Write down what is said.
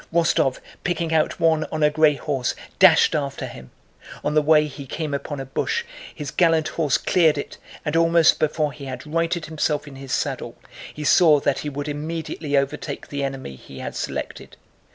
Rostóv, picking out one on a gray horse, dashed after him. On the way he came upon a bush, his gallant horse cleared it, and almost before he had righted himself in his saddle he saw that he would immediately overtake the enemy he had selected.